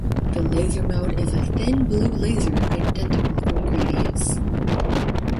The Laser mode is a thin blue laser, identical from Gradius.